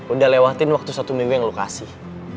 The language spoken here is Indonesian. udah lewatin waktu satu minggu yang lo kasih